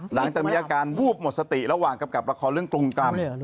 หลังจากมีอาการวูบหมดสติระหว่างกำกับละครเรื่องกรุงกรรม